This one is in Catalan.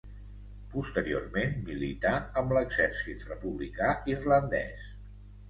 Posteriorment, milità amb l'Exèrcit Republicà Irlandès.